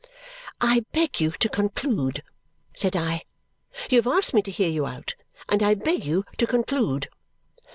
"I beg you to conclude," said I; "you have asked me to hear you out, and I beg you to conclude."